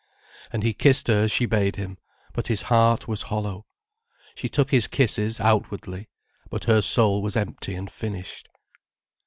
And he kissed her as she bade him, but his heart was hollow. She took his kisses, outwardly. But her soul was empty and finished.